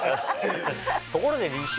ところで。